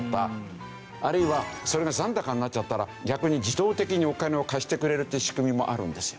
あるいはそれが残高になっちゃったら逆に自動的にお金を貸してくれるっていう仕組みもあるんですよ。